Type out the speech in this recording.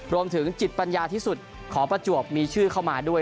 รวมถึงจิตปัญญาที่สุดของประจวบมีชื่อเข้ามาด้วย